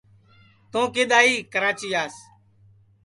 توں کِدؔ آئی کراچیاس